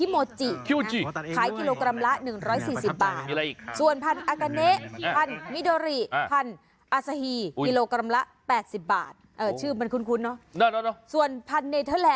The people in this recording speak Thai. มีทั้งพันธุ์ญี่ปุ่นนะคะ